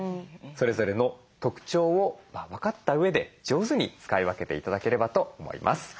それぞれの特徴を分かったうえで上手に使い分けて頂ければと思います。